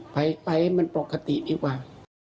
ไปให้มันปกติดีกว่า